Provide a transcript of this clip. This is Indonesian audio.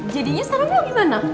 jadinya sekarang lo gimana